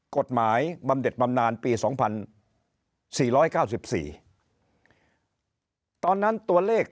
กฎหมายบำเน็ตบำนานปี๒๔๙๔ตอนนั้นตัวเลข